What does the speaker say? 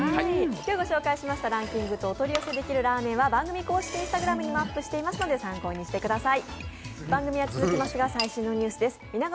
今日ご紹介したランキングとお取り寄せできるグルメは番組の公式Ｉｎｓｔａｇｒａｍにもアップしていますので、参考にしてください。